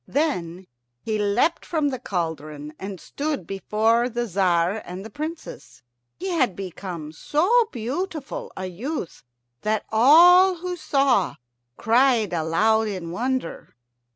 Then he leapt from the cauldron and stood before the Tzar and the Princess. He had become so beautiful a youth that all who saw cried aloud in wonder.